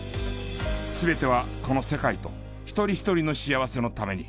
全てはこの世界と一人一人の幸せのために。